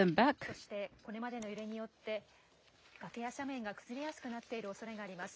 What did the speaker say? そして、これまでの揺れによって、崖や斜面が崩れやすくなっているおそれがあります。